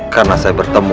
karena saya bertemu